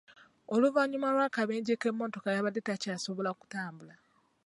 Oluvannyuma lw'akabenje k'emmotoka yabadde takyasobola kutambula.